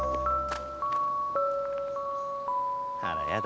あらやだ